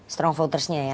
strong votersnya ya